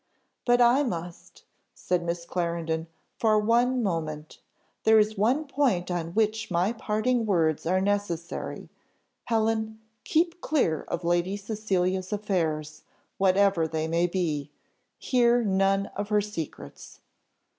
"But I must," said Miss Clarendon, "for one moment. There is one point on which my parting words are necessary. Helen! keep clear of Lady Cecilia's affairs, whatever they may be. Hear none of her secrets."